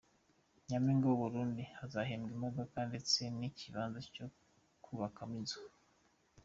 Nyampinga w’ i Burundi azahembwa Imodoka ndetse n’ ikibanza cyo kubakamo inzu .